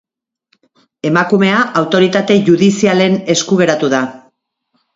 Emakumea autoritate judizialen esku geratu da.